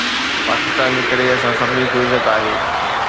پاڪستان جي ڪري اسان سڀني کي عزت آهي.